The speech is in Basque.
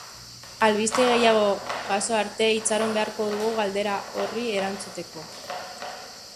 Albiste gehiago jaso arte itxaron beharko dugu galdera horri erantzuteko.